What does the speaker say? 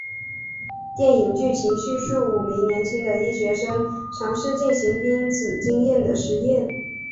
电影剧情叙述五名年轻的医学生尝试进行濒死经验的实验。